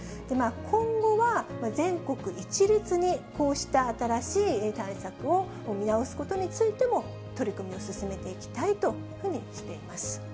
今後は全国一律にこうした新しい対策を見直すことについても、取り組みを進めていきたいというふうにしています。